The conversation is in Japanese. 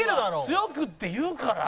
強くって言うから。